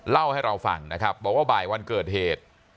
เล่าให้เราฟังนะครับบอกว่าบ่ายวันเกิดเหตุ